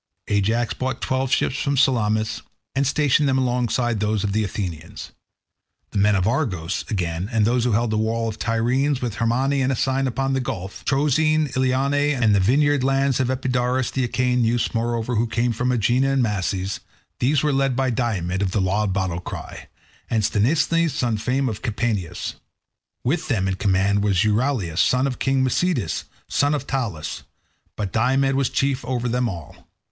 Ajax brought twelve ships from Salamis, and stationed them alongside those of the Athenians. The men of Argos, again, and those who held the walls of Tiryns, with Hermione, and Asine upon the gulf; Troezene, Eionae, and the vineyard lands of Epidaurus; the Achaean youths, moreover, who came from Aegina and Mases; these were led by Diomed of the loud battle cry, and Sthenelus son of famed Capaneus. With them in command was Euryalus, son of king Mecisteus, son of Talaus; but Diomed was chief over them all.